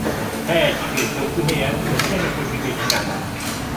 تایەکی پێشکەوتوو هەیە لە سێ نەخۆشی بێ نیشانە.